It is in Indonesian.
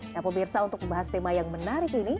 nah pemirsa untuk membahas tema yang menarik ini